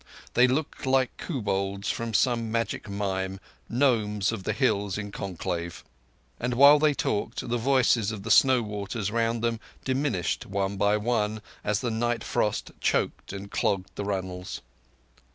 They looked like kobolds from some magic mine—gnomes of the hills in conclave. And while they talked, the voices of the snow waters round them diminished one by one as the night frost choked and clogged the runnels.